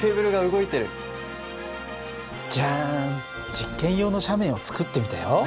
実験用の斜面を作ってみたよ。